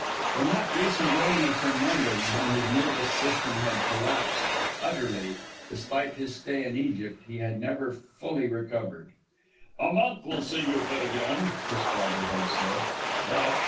From that recent illness in London when his nervous system had collapsed, utterly despite his stay in Egypt he had never fully recovered. "A month will see you fit again," his father had said; but?